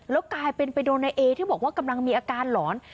แล้วกลายเป็นไปโดนนายเอที่บอกว่ากำลังมีอาการหลอน